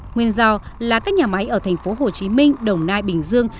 nguyên do là các nhà máy ở thành phố hồ chí minh đồng nai bình dương